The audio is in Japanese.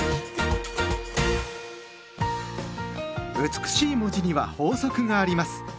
美しい文字には法則があります。